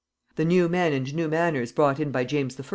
The new men and new manners brought in by James I.